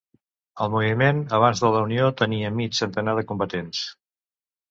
El moviment abans de la unió tenia mig centenar de combatents.